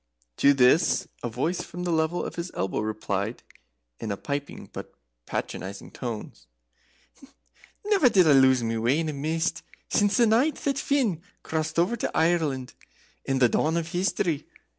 To this a voice from the level of his elbow replied, in piping but patronizing tones; "Never did I lose my way in a mist since the night that Finn crossed over to Ireland in the Dawn of History.